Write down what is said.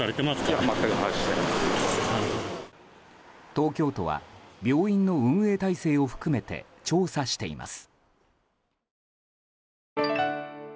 東京都は病院の運営体制を含めて調査しています。